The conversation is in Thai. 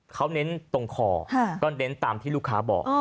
เขาเน้นตรงคอก็เน้นตามที่ลูกค้าบอก